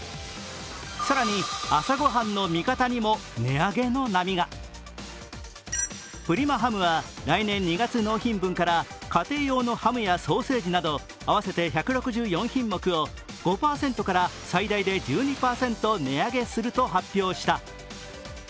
更に、朝御飯の味方にも値上げの波がプリマハムは来年２月納品分から家庭用のハムやソーセージ合わせて１６４品目を５％から最大で１２％値上げすると発表した。